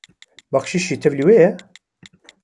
Bexşîş jî tevî wê ye?